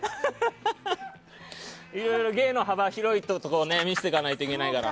いろいろ芸の幅が広いってところを見せていかないといけないから。